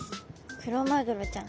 クロマグロちゃん。